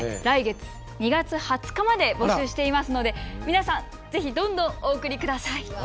来月２月２０日まで募集していますので皆さんぜひどんどんお送り下さい。